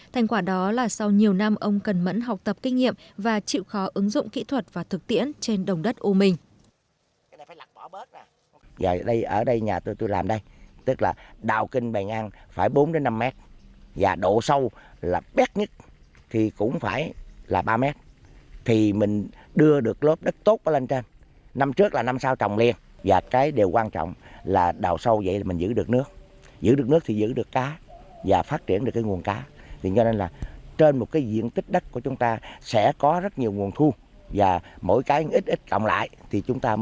thành quả đó là sau nhiều năm ông cần mẫn học tập kinh nghiệm và chịu khó ứng dụng kỹ thuật và thực tiễn trên đồng đất u minh